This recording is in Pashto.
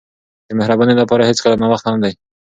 د مهربانۍ لپاره هیڅکله ناوخته نه وي.